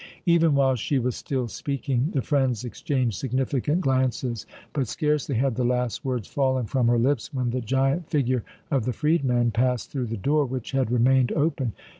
Even while she was still speaking, the friends exchanged significant glances; but scarcely had the last words fallen from her lips when the giant figure of the freedman passed through the door, which had remained open.